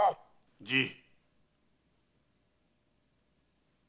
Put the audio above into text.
じい。